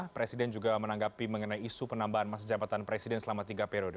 presiden juga menanggapi mengenai isu penambahan masa jabatan presiden selama tiga periode